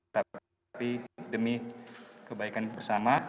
tapi demi kebaikan bersama